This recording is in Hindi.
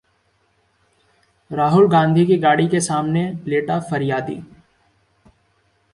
राहुल गांधी की गाड़ी के सामने लेटा फरियादी